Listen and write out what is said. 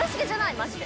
マジで。